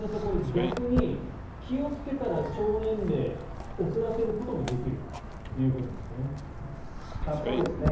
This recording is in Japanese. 逆に気をつけたら腸年齢遅らせることもできるということですね。